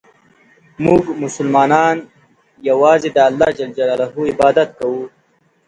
مونږ مسلمانان یوازې د یو الله ج عبادت کوو.